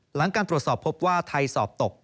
หลังการตรวจสอบพบว่าไทยสอบตก